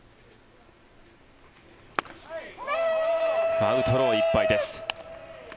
アウトローいっぱいです。